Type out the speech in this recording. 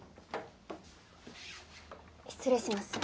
失礼します。